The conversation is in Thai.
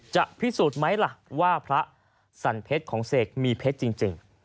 จะพิสูจน์ไหมล่ะว่าพระสันเพชรของเสกมีเพชรจริง